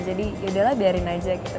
jadi yaudahlah biarin aja gitu